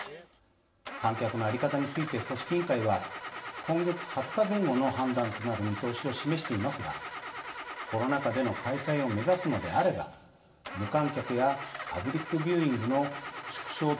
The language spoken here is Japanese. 観客のあり方について組織委員会は今月２０日前後の判断となる見通しを示していますがコロナ禍での開催を目指すのであれば無観客やパブリックビューイングの縮小